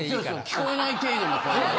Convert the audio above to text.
聞こえない程度の声。